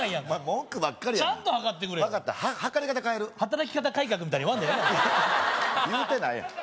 文句ばっかりやなちゃんと測ってくれや分かったは測り方変える働き方改革みたいに言わんでええねんお前言うてないやん